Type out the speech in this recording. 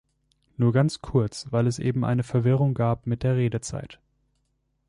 Nur ganz kurz, weil es eben eine Verwirrung gab mit der Redezeit.